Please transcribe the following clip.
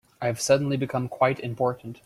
I've suddenly become quite important.